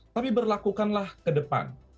tapi berlakukanlah ke depan